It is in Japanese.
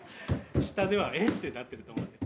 下では「え！」ってなってると思うよ。